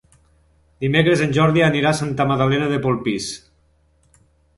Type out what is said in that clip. Dimecres en Jordi anirà a Santa Magdalena de Polpís.